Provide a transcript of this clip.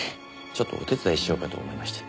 ちょっとお手伝いしようかと思いまして。